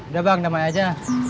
udah bang damai aja